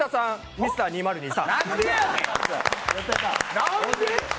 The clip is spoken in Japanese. Ｍｒ．２０２３。